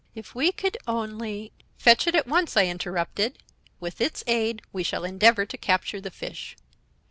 If we could only ' "'Fetch it at once,' I interrupted. 'With its aid we shall endeavor to capture the fish.'